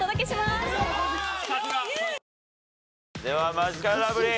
マヂカルラブリー。